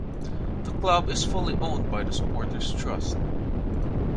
The club is fully owned by the supporters' trust.